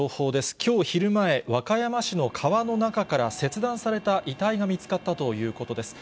きょう昼前、和歌山市の川の中から切断された遺体が見つかったということです。